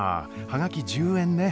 はがき１０円ね。